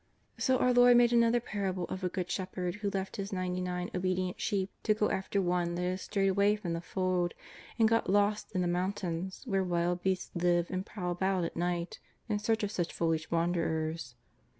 284 JESUS OF NAZAEETH. So our Lord made another parable of a good shep herd who left his ninety nine obedient sheep to go after one that had strayed away from the fold and got lost in the mountains, where wild beasts live and prowl about at night in search of such foolish wanderers.